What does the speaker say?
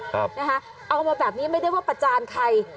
เอามาแบบนี้ไม่ได้ว่าประจานใคร